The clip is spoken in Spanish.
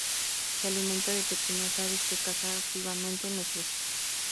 Se alimenta de pequeñas aves que caza activamente en los bosques.